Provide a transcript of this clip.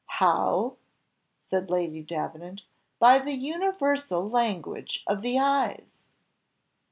"How!" said Lady Davenant. "By the universal language of the eyes."